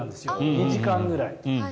２時間ぐらい。